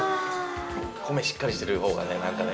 米しっかりしてる方がねなんかね。